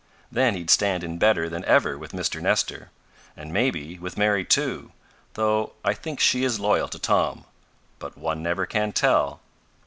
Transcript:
Then he'd stand in better than ever with Mr. Nestor. And, maybe, with Mary, too, though I think she is loyal to Tom. But one never can tell.